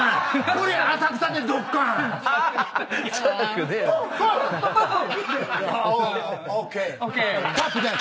これ浅草でドッカーン！ＯＫ。